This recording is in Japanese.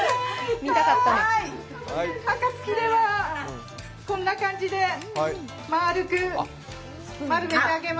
あかつきではこんな感じで丸く丸めてあげます。